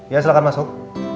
ya silahkan masuk